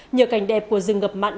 nhờ cảnh đẹp của rừng ngập mặn